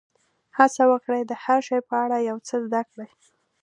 هڅه وکړئ د هر شي په اړه یو څه زده کړئ.